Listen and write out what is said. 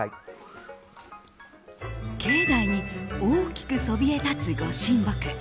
境内に大きくそびえ立つご神木。